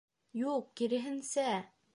Юк, киреһенсә.